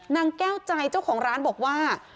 นางแก้วใจเจ้าของร้านบอกว่า